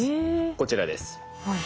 こちらです。